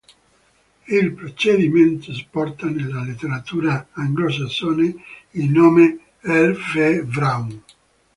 Il procedimento porta nella letteratura anglosassone il nome R v Brown.